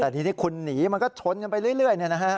แต่ทีนี้คุณหนีมันก็ช้นกันไปเรื่อยเลยนะครับ